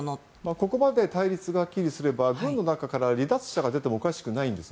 ここまで対立がはっきりすれば、軍の中から離脱者が出てもおかしくないんです。